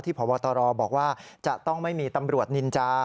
พบตรบอกว่าจะต้องไม่มีตำรวจนินจา